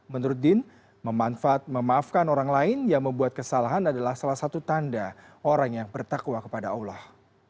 menurut din memanfaatkan orang lain yang membuat kesalahan adalah salah satu tanda orang yang bertakwa kepada allah